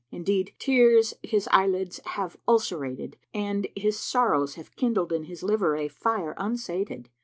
* Indeed, tears his eyelids have ulcerated and his sorrows have kindled in his liver a fire unsated.